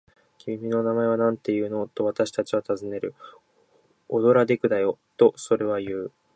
「君の名前はなんていうの？」と、私たちはたずねる。「オドラデクだよ」と、それはいう。